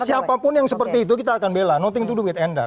siapapun yang seperti itu kita akan bela nothing to do with ender